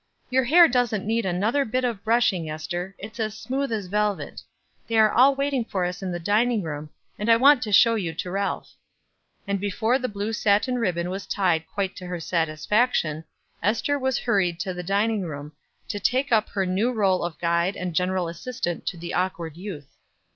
Your hair doesn't need another bit of brushing, Ester, it's as smooth as velvet; they are all waiting for us in the dining room, and I want to show you to Ralph." And before the blue satin ribbon was tied quite to her satisfaction, Ester was hurried to the dining room, to take up her new role of guide and general assistant to the awkward youth.